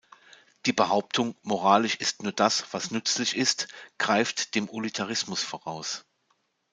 Die Behauptung „Moralisch ist nur das, was nützlich ist“, greift dem Utilitarismus voraus.